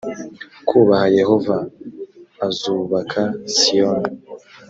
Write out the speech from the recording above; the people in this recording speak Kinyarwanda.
kubaha yehova azubaka siyoni